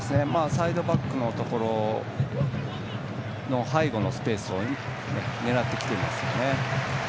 サイドバックの背後のスペースを狙ってきていますよね。